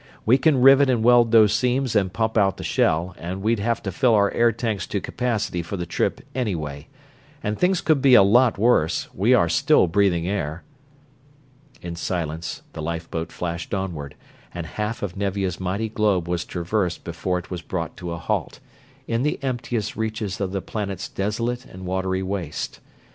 We can rivet and weld those seams and pump out the shell, and we'd have to fill our air tanks to capacity for the trip, anyway. And things could be a lot worse we are still breathing air!" In silence the lifeboat flashed onward, and half of Nevia's mighty globe was traversed before it was brought to a halt, in the emptiest reaches of the planet's desolate and watery waste.